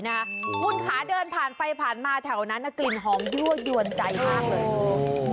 คุณขาเดินผ่านไปผ่านมาแถวนั้นกลิ่นหอมยั่วยวนใจมากเลย